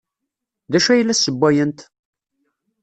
D acu ay la ssewwayent?